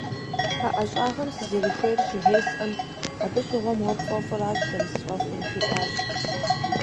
А ӀэщӀагъэм сызэрыхуейр щыжесӀэм, «абы щыгъуэм уэ пфӀэфӀращ сэри сфӀэфӀыр» жиӀащ.